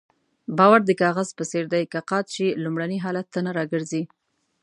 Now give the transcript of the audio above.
باور د کاغذ په څېر دی که قات شي لومړني حالت ته نه راګرځي.